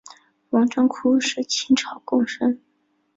王章枯是清朝贡生。